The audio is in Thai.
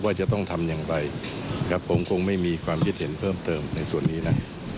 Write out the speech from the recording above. ว่าจะต้องทำอย่างไรนะครับผมคงไม่มีความคิดเห็นเพิ่มเติมในส่วนนี้นะ